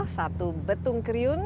satu betung kriun